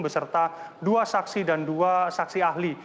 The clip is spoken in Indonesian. beserta dua saksi dan dua saksi ahli